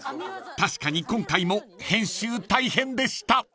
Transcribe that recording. ［確かに今回も編集大変でした］